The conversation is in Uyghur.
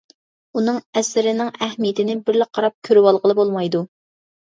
ئۇنىڭ ئەسىرىنىڭ ئەھمىيىتىنى بىرلا قاراپ كۆرۈۋالغىلى بولمايدۇ.